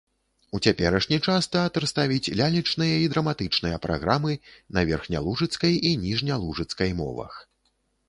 У цяперашні час тэатр ставіць лялечныя і драматычныя праграмы на верхнялужыцкай і ніжнялужыцкай мовах.